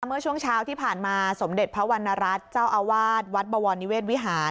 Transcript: เมื่อช่วงเช้าที่ผ่านมาสมเด็จพระวรรณรัฐเจ้าอาวาสวัดบวรนิเวศวิหาร